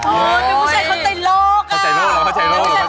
เฮ้ยเป็นผู้ชายเข้าใจโลกอะ